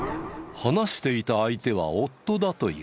話していた相手は夫だという。